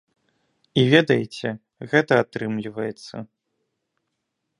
І ведаеце, гэта атрымліваецца!